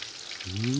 うん。